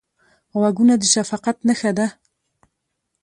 غوږونه د شفقت نښه ده